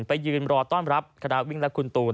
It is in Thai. ไปยืนรอต้อนรับคณะวิ่งและคุณตูน